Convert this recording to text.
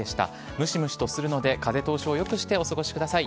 ムシムシとするので、風通しをよくしてお過ごしください。